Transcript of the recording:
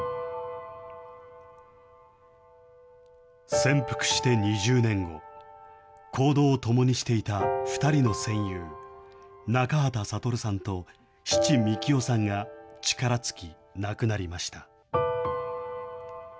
潜伏して２０年後、行動を共にしていた２人の戦友、中畠悟さんと志知幹夫さんが力尽き、亡くなりました。